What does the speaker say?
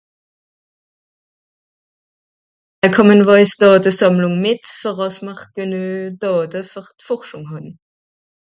à common voice Dàtesàmmlung mìt ver àssm'r geneu Dàte ver d'Forschùng hàn